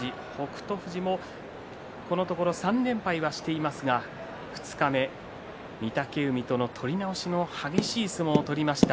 富士もこのところ３連敗はしていますが二日目、御嶽海との取り直しの激しい相撲を取りました。